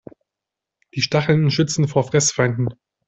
Die Stacheln schützen vor Fressfeinden.